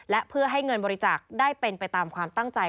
และเพื่อให้เงินบริจาคได้เป็นไปตามความตั้งใจ